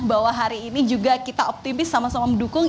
bahwa hari ini juga kita optimis sama sama mendukung